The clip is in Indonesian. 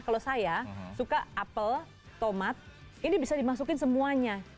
kalau saya suka apel tomat ini bisa dimasukin semuanya